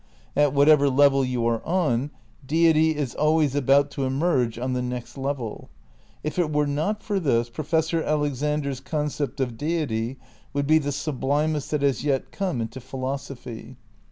At whatever level you are on, deity is al ways about to emerge on the next level. If it were not for this. Professor Alexander's concept of deity would be the sublimest that has yet come into philosophy.